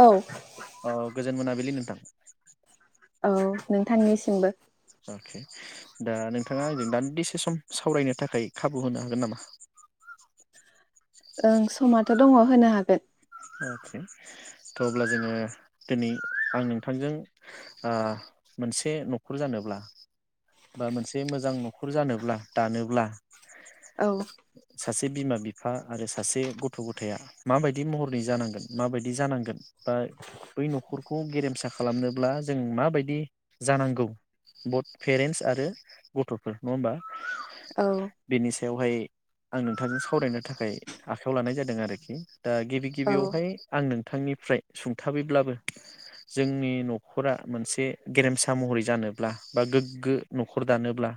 औ औ गोजोन मोनाबिलि नोंथां। [unintelligible] औ नोंथांनिसिमबो। अके दा नोंथाङा आंजों दादिसे सम सावरायनो थाखाय खाबु होनो हागोन नामा? ओं समाथ' दङ होनो हागोन। अ'खो थ' अब्ला जोङो दिनै आं नोंथांजों आ मोनसे न'खर जानोब्ला बा मोनसे मोजां न'खर जानोब्ला दानोब्ला औ सासे बिमा बिफा आरो सासे गथ गथाया माबायदि महर जानांगोन माबायदि जानांगोन बा बै न'खरखौ गेरेमसा खालामनोब्ला जों माबायदि जानांगौ बत पेरेन्टस आरो गथफोर नङा होमबा औ बेनिस बेवहाय आं नोंथांजों सावरायनो थाखाय आखायाव लानाय जादों आरोखि दा औ गिबियावहाय आं नों नोंथांनिफ्राय सुंथाबैब्लाबो जोंनि न'खरा मोनसे गेरेमसा महरै जानोब्ला बा गोग्गो न'खर दानोब्ला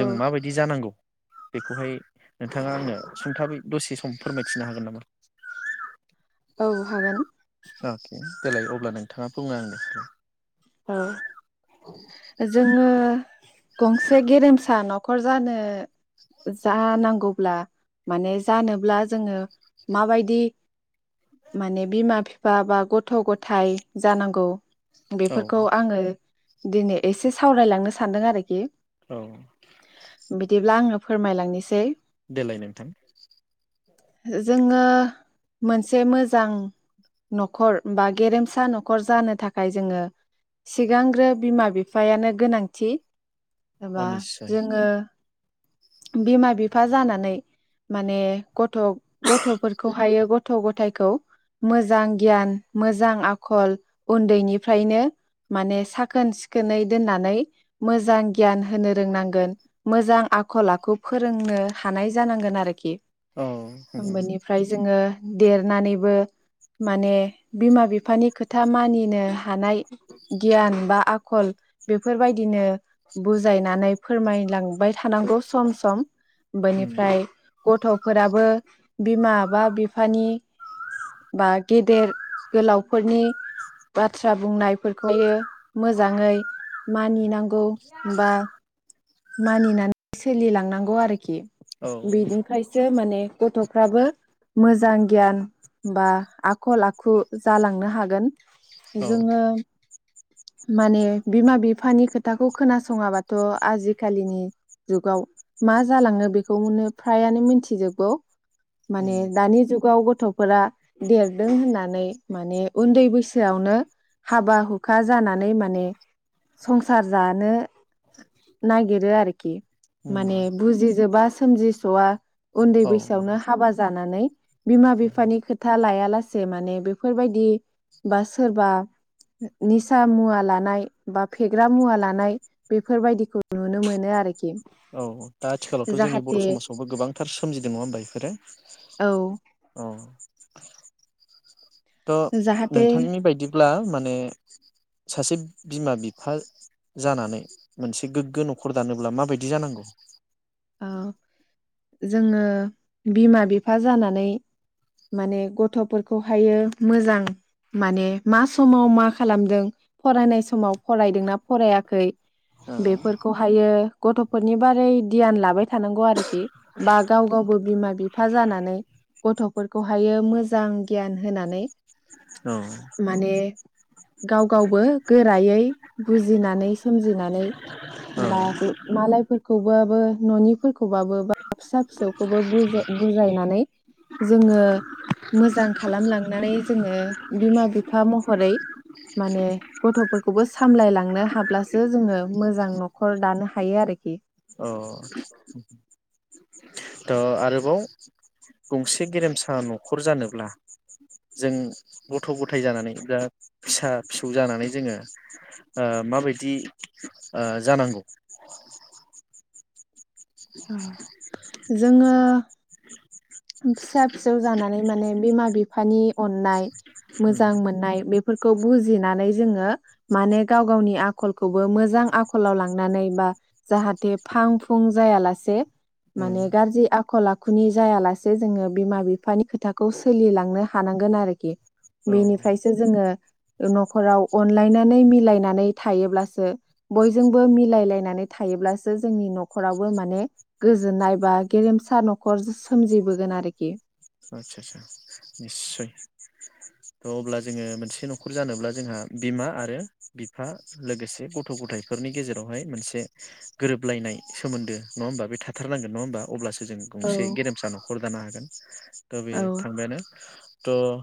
औ माबायदि जानांगौ? बेखौहाय नोंथाङा आंनो सुंथाबै दसे सम फोरमायथिनो हागोन नामा? औ हागोन। अके देलाय अब्ला नोंथाङा बुंनांनो स औ जोङो गंसे गेरेमसा न'खर जानो जानांगौब्ला माने जानोब्ला जोङो माबायदि माने बिमा बिफा बा गथ गथाय जानांगौ औ बेफोर खौ आङो दिनै एसे सावरायलांनो सानदों आरोखि औ बिदिब्ला आङो फोरमायलांनोसै। देलाय नोंथां जोङो मोनसे मोजां न'खर बा गेरेमसा न'खर जानो थाखाय जोङो। सिगांग्रो बिमा बिफायानो गोनांथि अ एबा निस्सय जोङो बिमा बिफा जानानै माने गथ गथ'फोरखौहायो गथ गथायाइखौ मोजां गियान मोजां आखल उन्दैनिफ्रायनो माने साखोन सिखोनै दोननानै मोजां गियान होनो रोंनांगोन मोजां आखल आखु फोरोंनो हानाय जानांगोन आरोखि। औ बेनिफ्राय जोङो देरनानैबो माने बिमा बिफानि खोथा मानिनो हानाय गियान बा आखल बेफोरबायदिनो बुजायनानै फोरमायलांबाय थानांगौ सम सम उम बेनिफ्राय गथ'फोराबो बिमा बा बिफानि बा गेदेर गोलावफोरनि बाथ्रा बुंनाय फोरफोरखौयो मोजाङै मानिनांगौ बा मानिनानै सोलिलांनांगौ आरोखि औ बिनिखायसो माने गथ'फ्राबो मोजां गियान बा आखल आखु जालांनो हागोन। औ जोङो माने बिमा बिफानि खोथाखौ खोनासङाबाथ' आजि खालिनि जुगाव मा जालाङो बेखौनो फ्रायानो मिथिजोबगौ। माने उम दानि जुगावबो थ'फोरा देरदों होननानै माने उन्दै बैसोआवनो हाबा हुखा जानानै माने संसार जानो नागिरो आरोखि। उम माने बुजिजोबा। सोमजिस'आ। उन्दै औ बैसोआवनो हाबा जानानै बिमा औ बिफानि खोथा लायालासे। से माने बेफोरबायदि बा सोरबा निसा मुवा लानाय बा फेग्रा मुवा लानाय बेफोरबायदिखौ नुनो मोनो। आरोखि औ दा आथिखालावथ' जोंनि बर' जाहाथे समाजावबो गोबांथार सोमजिदों नङा होमबा औ बेफोरो औ। [inaudible] थ' जाहाथे नोंथांनि बायदिब्ला माने माने सासे बिमा बिफा जानानै मोनसे गोग्गो न'खर दानोब्ला माबायदि जानांगौ? औ। जोङो बिमा बिफा जानानै माने गथ'फोरखौहायो मोजां माने मा समाव मा खालामदों फरायनाय समाव फरायदोंना फरायाखै? औ बेफोरखौहायो गथ'फोरनि बारै धियान लाबाय थानांगौ आरोखि बा गाव गावबो बिमा बिफा जानानै गथ'फोरखौहाय मोजां गियान होनानै औ माने गाव गावबो गोरायै बुजिनानै सोमजिनानै बा बे मालायफोरखौबो बो न'निफोरखौबाबो बा फिसा फिसौखौबो बुजा बुजायनानै जोङो मोजां खालामलांनानै जोङो बिमा बिफा महरै माने गथ'फोरखौबो सामलायलांनो हाब्लासो जोङो मोजां न'खर दानो हायो आरोखि। औ [inaudible] ओ आरोबाव गंसे गेरेमसा न'खर जानोब्ला जों गथ' गथाय जानानै बा फिसा फिसौ जानानै जोङो ओ माबायदि ओ जानांगौ? ओ जोङो फिसा फिसौ जानानै माने बिमा बिफानि अननाय उम मोजां मोननाय बेफोरखौ बुजिनानै जोङो माने गाव गावनि आखलखौबो मोजां आखलाव लांनानै बा जाहाथे फां फुं जायालासे उम माने गाज्रि आखल आखुनि जायालासे से जोङो बिमा बिफानि खोथाखौ सोलिलांनो हानांगोन आरोखि औ बेनिफ्रायसो जोङो न'खराव अनलायनानै मिलायनानै थायोब्लासो बयजोंबो मिलायलायनानै थायोब्लासो गोजोननाय बा गेरेमसा न'खर सोमजि बोगोन आरोखि। आदसा आदसा निस्सय थ' अब्ला जोङो मोनसे न'खर जानोब्ला जोंहा बिमा आरो बिफा लोगोसे गथ' गथाइफोरनि गेजेरावहाय मोनसे गोरोबलायनाय सोमोन्दो नङा होमबा बे थाथारनांगोन नङा होमबा अब्लासो जों औ गंसेे गेरेमसा न'खर जानो हागोन। थ' बे औ थांबायानो। त'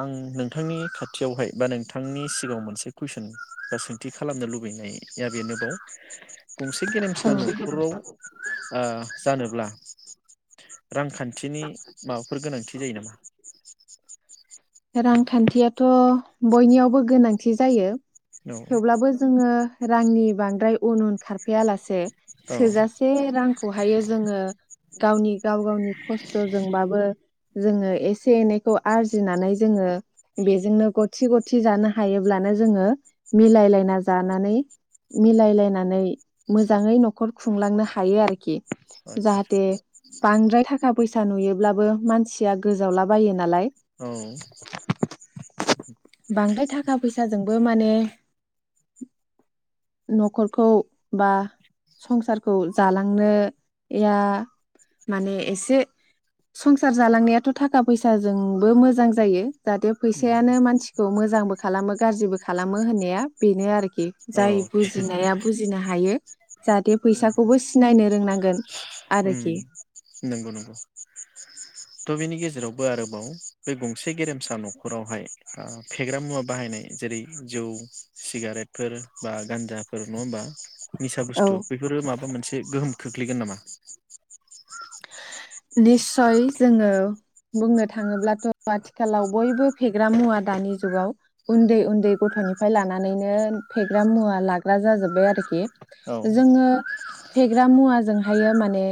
आं नोंथांनि खाथियावहाय बा नोंथांनि सिगाङाव मोनसे कुइसन बा सोंथि खालामनो लुबैनाया बेनोबाव गंसे गेरेमसा न'खराव ओ जानोब्ला [inaudible] रांखान्थिनि माबाफोर गोनांथि बि जायो नामा रांखान्थियाथ' बयनियावबो गोनांथि जायो औ थेवब्लाबो जोङो रांनि बांद्राय उन उन खारफैायालासे औ आदसा थोजासे रांखौहायो जोङो गावनि गाव गावनि खस्थ'जोंबाबो जोङो एसे एनैखौ आरजिनानै जोङो बेजोंनो गथि गथि जानो हायोब्लानो जोङो मिलायलायना जानानै मिलायलायनानै मोजाङै न'खर खुंलांनो हायो आरोखि आदसा जाहाते बांद्राय थाखा फैसा नुयोब्ला बो मानसि आं गोजावला बायो नालाय बांद्राय थाखा फैसा जों बो माने न'खरखौ बा संसारखौ जालांनो या माने एसे संसार जालांनायाथ' थाखा फैसाजोंबो मोजां जायो जाहाथे फैसायानो मानसिखौ मोजांबो खालामो गाज्रिबो खालामो होननाया बेनो आरो औ जाय बुजिनाया बुजिनो हायो। हो। जाहाथे फैसाखौबो सिनायनो रोंनां। गोन। उम नंगौ नंगौ थ' बेनि गेजे। जेरावबो आरोबाव बे गंसे गेरेमसा। निसा औ बुस्थु बेफोरो माबा मोनसे गोहोम। खोख्लैगोन नामा। निस्सय जोङो बुंनो थाङोब्लाथ' आथिखालाव बयबो फेग्रा मुवा दानि जुगाव उन्दै उन्दै गथ'निफ्राय लानानैनो फेग्रा मुवा लाग्रा जाजोब्बाय आरोखि। औ जोङो। फेग्रा मुवाजोंहायो माने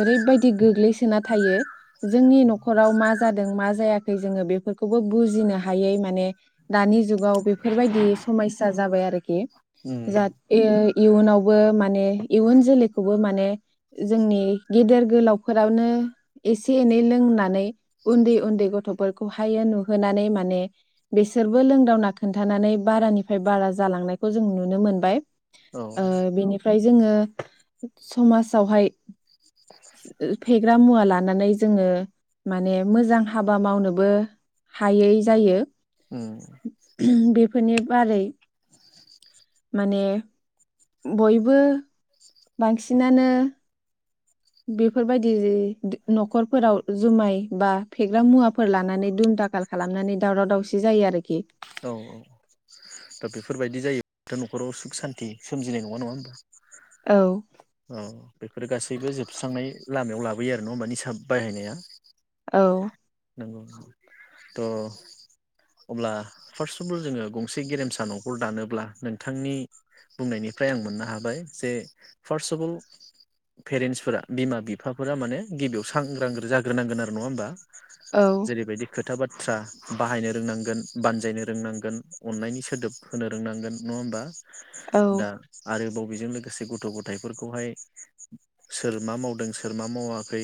ओरैबाय। दि गोग्लैसोना थायो जोंनि न'खराव मा जादों मा जायाखै जोङो बेफोरखौबो बुजिनो हायै माने दानि जुगाव बेफोरबायदि समयया जाबाय आरोखि उम जाहाथ ए इयुनावबो माने इयुन जोलैखौबो माने जोंनि गेदेर गोलाव। न'खरावनो एसे एनै लोंनानै उन्दै उन्दै गथ'फोरखौहाय नुहोनानै माने बेसोरबो लोंदावना खोन्थानानै बारानिफ्राय बारा जालांनायखौ जों नुनो मोनबाय औ बिनिफ्राय जोङो समाजावहाय। फेग्रा मुवा लानानै जोङो माने मोजां हाबा मावनोबो हायै जायो उम बेफोरनि बारै माने बयबो बांसिनानो। बेफोरबायदि जि न'खरफोराव जुमाय बा फेग्रा मुवाफोर लानानै दुम दाखाल खालामनानै दावराव दावसि जायो आरोखि। औ दा बेफोरबायदि जायो दा नखराव सुख सान्थि सोमजिनाय नङा नङा होनोमबा। औ औ बेफोर गासैबो जोबस्रांनाय लामायाव लाबोयो आरो नङा होमबा निसा बाहायनाया। औ। नंगौ थ' अब्ला फार्स्टावबो जोङो गंसे गेरेमसा न'खर दानोब्ला नोंथांनि बुंनायनिफ्राय आं मोननो हाबाय जे फार्स्ट अबल पेरेन्टसफोरा बिमा बिफाफोरा माने गिबियाव सांग्रांग्रो जाग्रोनांगोन आरो नङा होमबा। औ जेरैबायदि खोथा बाथ बाथ्रा बाहायनो रोंनांगोन बानजायनो रोंनांगोन अन्नायनि सोदोब होनो रोंनांगोन नङा होमबा। औ दा आरोबाव बेजों लोगोसे गथ' गथ थायफोरखौहाय सोर मा मावदों सोर मा मावाखै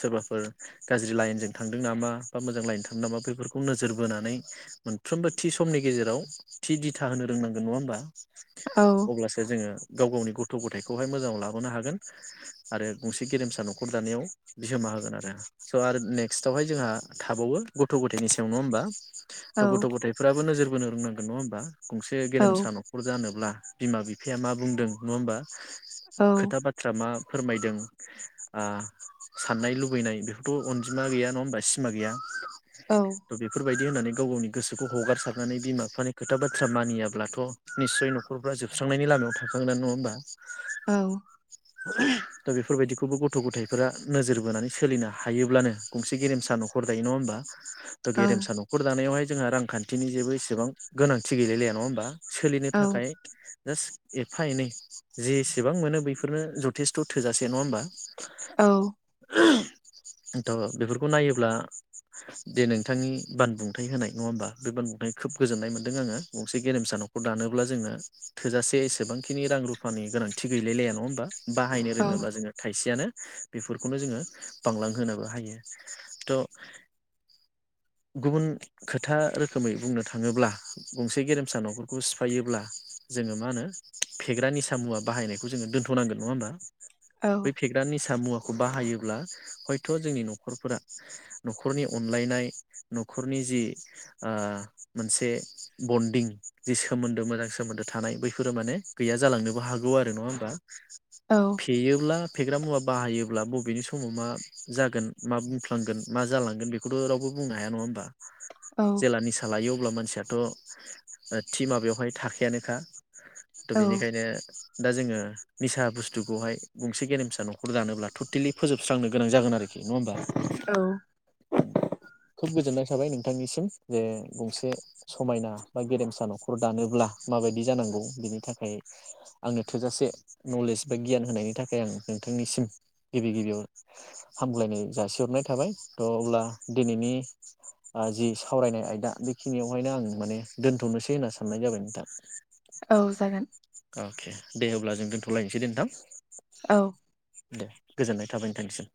सोरबाफोर गाज्रि लाइनजों थांदों नामा? बा मोजां लाइनजों थांदों नामा? बेफोरखौ नोजोर बोनानै मोनफ्रोमबो थि समनि गेजेराव थि दिथा होनो रोंनांगोन नङा होमबा। औ अब्लासो जोङो गाव गावनि गथ' गथाय खौहाय मोजाङाव लाबोनो हागोन। आरो गंसे गेरेमसा न'खर दानायाव बिहोमा होगोन आरो। स' आरो नेक्स्टावहाय जोंहा थाबावो गथ' गथायनि सायाव नङा होमबा। औ थ' गथ' गथायफोराबो नोजोर होनो रोंनांगोन नङा होमबा। गंसे औ गेरेमसा न'खर जानोब्ला बिमा बिफाया मा बुंदों नङा होमबा। औ खोथा बाथ्रा मा फोरमायदों आ साननाय लुबैनाय बेफोरथ' अनजिमा गैया नङा होमबा सिमा गैया। थ' बेफोरबायद दि होननानै गाव गावनि गोसोखौ हगारसारनानै बिमा बिफानि खोथा बाथ्रा मानियाब्लाथ' निस्सय न'खरफ्रा जोबस्रांनायनि लामायाव थांखागोनानो नङा होमबा। औ दा बेफोरबायदिखौबो गथ' गथायाइफोरा नोजोर बोनानै सोलिनो हायोब्लानो गंसे गेरेमसा न'खर दायो नङा होमबा। थ' गेरेमसा न'खर दानायावहाय जोंहा रांखान्थिनि जेबो इसेबां गोनांथि गैलायलाया नङा होनबा। सोलिनो औ थाखाय जास एफा एनै जेसेबां मोनो बेफोरनो जथेस्थ' थोजासे नङा होमबा। औ थ' बेफोरखौ नायोब्ला जे नोंथांनि बानबुंथाय होनाय नङा होमबा बे बानबुंथाय खोब गोजोननाय मोनदों आङो गंसे गेरेमसा न'खर दानोब्ला जोंनो थोजासे एसेबांखिनि रां रुफ रुफानि गोनांथि गैलायलाया नङा होनबा। बाहायनो औ रोङोब्ला जोङो थाइसेयानो बेफोरखौनो जोङो बांलांहोनोबो हायो। थ' गुबुन खोथा रोखोमै बुंनो थाङोब्ला गंसे गेरेमसा न'खरखौ सिफायोब्ला जोङो मा होनो फेग्रा निसा मुवा बाहायनायखौ जोङो दोन्थ'नांगोन नङा होमबा। बै फेग्रा निसा सामुवाख बाहायोब्ला हयथ' जोंनि न'खरफोरा न'खरनि अनलायनाय न'खरनि जि आ मोनसे बन्दिं जि सोमोन्दो मोजां सोमोन्दो थानाय बैफोरो माने गैया जालांनोबो हागौ आरो नङा होमबा। औ फेयोब्ला फेग्रा मुवा बाहायोब्ला बबेनि समाव मा जागोन मा बुंफ्लांगोन मा जालांगोन बेखौथ' रावबो बुंनो हाया नङा होनबा। औ जेला निसा लायो अब्ला मान मानसियाथ' टिमा बेवहाय थाखायानोखा थ' औ बेनिखायनो दा जोङो निसा बुस्थुखौहाय गंसे गेरेमसा न'खर दानोब्ला टटेलि फोजोबस्रांनो गोनां जागोन आरो नङा होमबा। खुब गोजोननाय थाबाय नोंथांनिसिम जे गंसे समायना बा गेरेमसा नखर दानोब्ला माबायदि जानांगौ बिनि थाखाय आंनो थोजासे नलेज बा गियान होनायनि थाखाय आं नोंथांनिसिम गिबि गिबियाव हामग्लायनाय जासिहरनाय थाबाय थअब्ला दिनैनि जि सावरायनाय आयदा बेखिनियावहायनो आं माने दोन्थनोसै होनना साननाय जाबाय नोंथां। औ जागोन अके दे हब्ला जों दोन्थलायनोसै नोंथां। औ दे गोजोननाय थाबाय नोंथांनिसिम।